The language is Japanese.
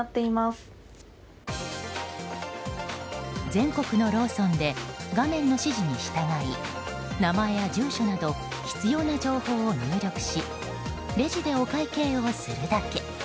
全国のローソンで画面の指示に従い名前や住所など必要な情報を入力しレジでお会計をするだけ。